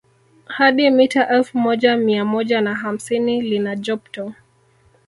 Hadi mita elfu moja mia moja na hamsini lina jopto